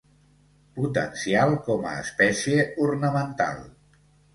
Potencial com a espècie ornamental.